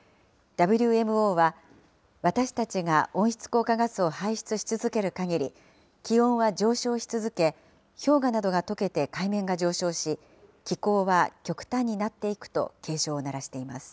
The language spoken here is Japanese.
ＷＭＯは、私たちが温室効果ガスを排出し続けるかぎり、気温は上昇し続け、氷河などがとけて海面が上昇し、気候は極端になっていくと警鐘を鳴らしています。